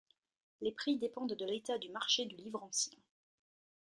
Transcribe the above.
Les prix dépendent de l'état du marché du livre ancien.